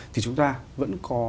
thì chúng ta vẫn có